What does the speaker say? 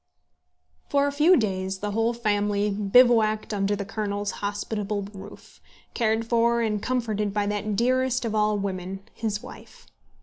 For a few days the whole family bivouacked under the Colonel's hospitable roof, cared for and comforted by that dearest of all women, his wife.